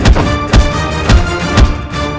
raden nabi qara datang